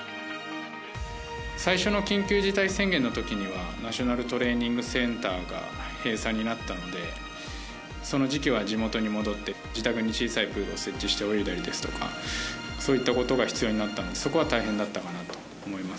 最初の緊急事態宣言のときにはナショナルトレーニングセンターが閉鎖になったのでその時期は地元に戻って自宅に小さいプールを設置して泳いだりですとかそういったことが必要になったのでそこは大変だったかなと思います。